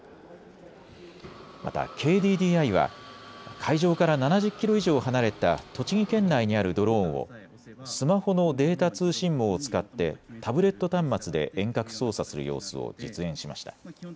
またＫＤＤＩは会場から７０キロ以上、離れた栃木県内にあるドローンをスマホのデータ通信網を使ってタブレット端末で遠隔操作する様子を実演しました。